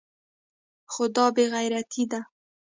خو دا بې غيرتي ده.